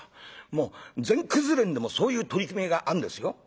もう全くず連でもそういう取り決めがあんですよ」。